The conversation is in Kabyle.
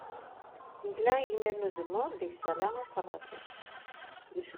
Ila igmir n uzemmur deg-s ala aserraǧi.